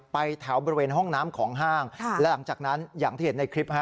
แถวบริเวณห้องน้ำของห้างและหลังจากนั้นอย่างที่เห็นในคลิปฮะ